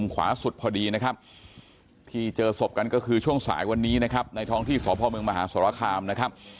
ก็คือช่วงสายวันนี้นะครับในท้องที่สพมมสคนะครับ